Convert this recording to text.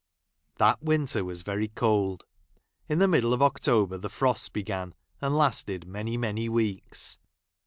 That winter Avas very cold. In the middle ^ of October the frosts began, and lasted many, many weeks.